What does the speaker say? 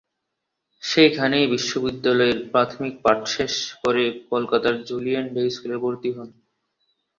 সেখানেই বিদ্যালয়ের প্রাথমিক পাঠ শেষ করে কলকাতার জুলিয়ান ডে স্কুলে ভর্তি হন।